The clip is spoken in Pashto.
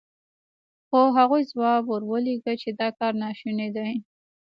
خو هغوی ځواب ور ولېږه چې دا کار ناشونی دی.